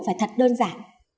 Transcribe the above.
phải thật đơn giản